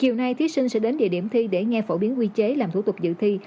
chiều nay thí sinh sẽ đến địa điểm thi để nghe phổ biến quy chế làm thủ tục dự thi